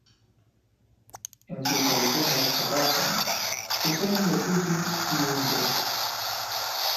En sus balcones-terraza, poseen jacuzzi y un "deck".